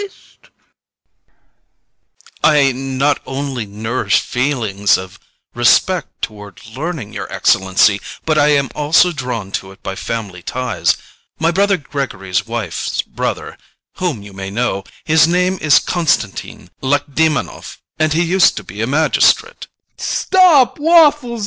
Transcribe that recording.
] TELEGIN. [With embarrassment] I not only nourish feelings of respect toward learning, your Excellency, but I am also drawn to it by family ties. My brother Gregory's wife's brother, whom you may know; his name is Constantine Lakedemonoff, and he used to be a magistrate VOITSKI. Stop, Waffles.